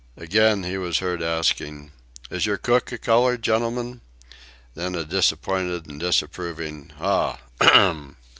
Again he was heard asking: "Is your cook a coloured gentleman?" Then a disappointed and disapproving "Ah! h'm!"